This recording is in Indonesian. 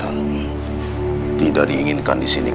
abang ibu keras mengajut kisah noksan politik